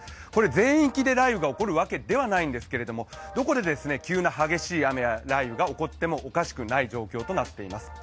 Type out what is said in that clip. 全域で雷雨が起きるわけではないんですけれどもどこで急な激しい雨や雷雨がおこってもおかしくない状態になっています。